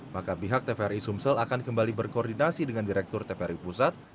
maka pihak tvri sumsel akan kembali berkoordinasi dengan direktur tvri pusat